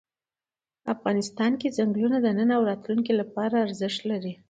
افغانستان کې ځنګلونه د نن او راتلونکي لپاره ارزښت لري.